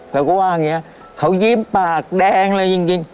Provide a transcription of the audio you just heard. เขาก็ว่าอย่างเงี้ยเขายิ้มปากแดงอะไรอย่างเงี้ย